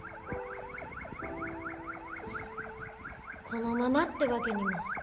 このままってわけにも。